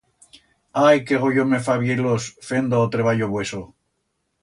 Ai, qué goyo me fa vier-los fendo o treballo vueso.